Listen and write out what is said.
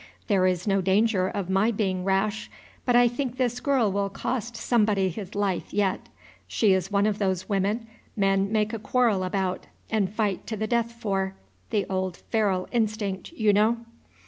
There is no danger of my being rash, but I think this girl will cost somebody his life yet. She is one of those women men make a quarrel about and fight to the death for, the old feral instinct, you know.